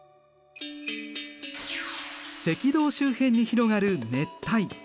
赤道周辺に広がる熱帯。